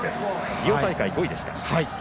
リオ大会、５位でした。